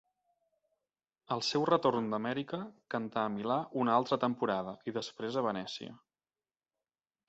Al seu retorn d'Amèrica cantà a Milà una altra temporada, i després a Venècia.